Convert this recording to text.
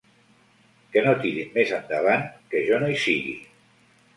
Que no tirin més endavant que jo no hi sigui!